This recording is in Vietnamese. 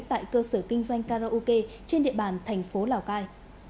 tại cơ sở kinh doanh karaoke trên địa bàn thành phố lào cai